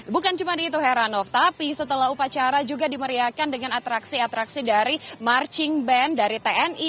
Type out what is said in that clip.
bukan cuma di itu heranov tapi setelah upacara juga dimeriakan dengan atraksi atraksi dari marching band dari tni